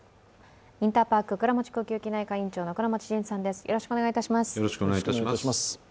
インターパーク倉持呼吸器内科院長の倉持仁さんです。